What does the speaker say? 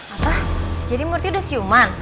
apa jadi murthy udah siuman